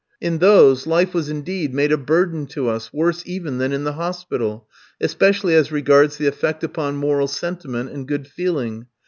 In those life was indeed made a burden to us, worse even than in the hospital, especially as regards the effect upon moral sentiment and good feeling.